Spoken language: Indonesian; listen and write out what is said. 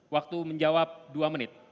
waktu menjawab dua menit